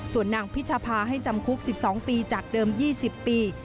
ส่วนนางพิชภาให้จำคุก๑๒ปีจากเดิม๒๐ปี